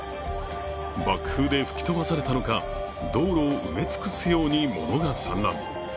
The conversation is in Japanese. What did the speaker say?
爆風で吹き飛ばされたのか道路を埋め尽くすように物が散乱。